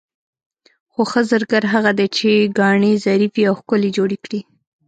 خو ښه زرګر هغه دی چې ګاڼې ظریفې او ښکلې جوړې کړي.